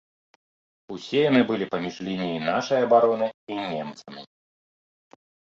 Усе яны былі паміж лініяй нашай абароны і немцамі.